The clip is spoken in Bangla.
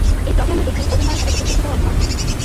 এই প্লটে আমরা দেখছি ওজন বাড়ার সাথে সাথে উচ্চতাও বাড়ছে।